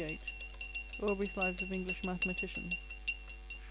8 (Aubrey's Lives of English Mathematicians), fol.